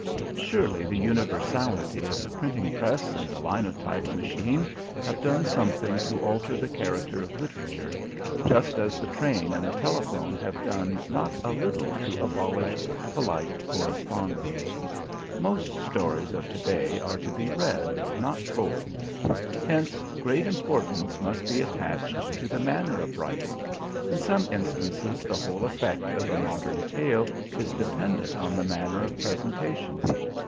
Surely the universality of the printing press and the linotype machine have done something to alter the character of literature, just as the train and the telephone have done not a little to abolish polite correspondence. Most stories of today are to be read, not told. Hence great importance must be attached to the manner of writing; in some instances, the whole effect of a modern tale is dependent on the manner of presentation.